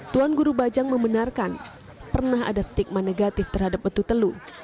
tuan guru bajang membenarkan pernah ada stigma negatif terhadap petu telu